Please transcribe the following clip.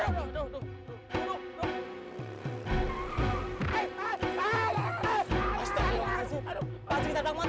aduh aduh aduh